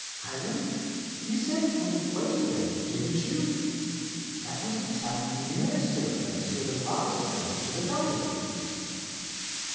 Hiram, you said it was Wayville, didn't you? That was the town nearest to the place where the robber fell into the gully."